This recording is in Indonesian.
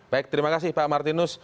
baik terima kasih pak martinus